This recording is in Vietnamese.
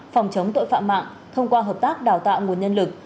phòng chống tội phạm mạng thông qua hợp tác đào tạo nguồn nhân lực